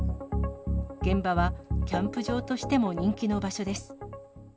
現場は、キャンプ場としても人気の場所です。